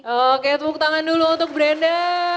oke tepuk tangan dulu untuk brenda